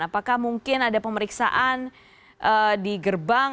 apakah mungkin ada pemeriksaan di gerbang